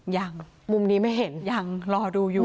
ยังมุมนี้ไม่เห็นยังรอดูอยู่